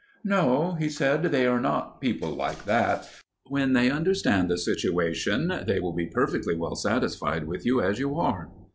"No," he said. "They are not people like that. When they understand the situation, they will be perfectly well satisfied with you as you are."